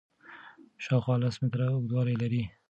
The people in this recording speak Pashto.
شاوخوا لس متره اوږدوالی لري.